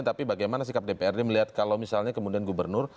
tapi bagaimana sikap dprd melihat kalau misalnya kemudian gubernur